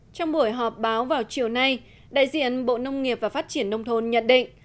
trong buổi họp báo vào chiều nay đại diện bộ nông nghiệp và phát triển nông thôn nhận định